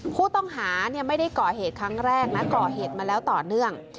ผู้ต้องหาไม่ได้ก่อเหตุครั้งแรกนะก่อเหตุมาแล้วต่อเนื่อง